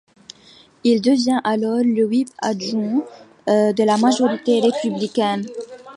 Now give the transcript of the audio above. Il devient alors le whip adjoint de la majorité républicaine.